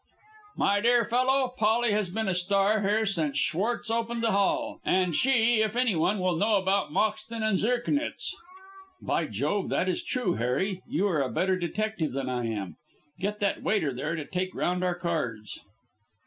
"My dear fellow, Polly has been a star here since Schwartz opened the hall, and she, if anyone, will know about Moxton and Zirknitz." "By Jove! that is true, Harry. You are a better detective than I am. Get that waiter there to take round our cards."